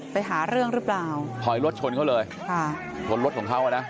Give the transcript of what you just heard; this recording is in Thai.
ไปหาเรื่องหรือเปล่าถอยรถชนเขาเลยค่ะชนรถของเขาอ่ะนะ